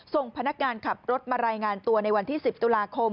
พนักงานขับรถมารายงานตัวในวันที่๑๐ตุลาคม